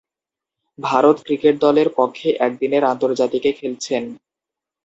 Bharat cricket দলের পক্ষে একদিনের আন্তর্জাতিকে খেলছেন।